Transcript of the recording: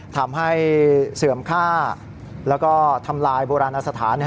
ทำให้เสื่อมค่าแล้วก็ทำลายโบราณสถาน